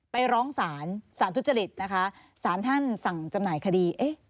ไปร้องศาลสารทุจริตนะคะสารท่านสั่งจำหน่ายคดี